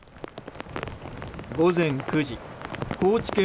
午前９時高知県